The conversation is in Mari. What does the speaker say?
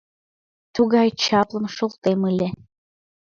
Тугай чаплым шолтем ыле.